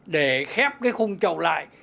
để khép cái khung trậu lại